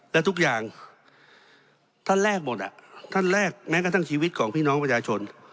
และทุกอย่างท่านแรกหมดอ่ะท่านแรกแม้กระทั่งชีวิตของพี่น้องประชาชน